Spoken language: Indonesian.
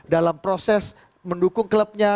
dalam proses mendukung klubnya